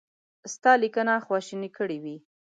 ستا لیکنه خواشینی کړی وي.